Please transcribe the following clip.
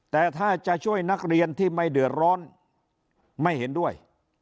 แต่ถ้าจะช่วยนักเรียนที่ไม่เดือดร้อนไม่เห็นด้วย